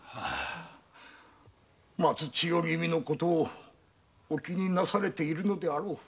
松千代君のことをお気になされているのであろう。